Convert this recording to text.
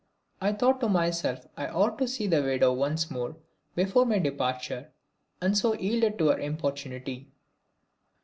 I thought to myself I ought to see the widow once more before my departure, and so yielded to her importunity.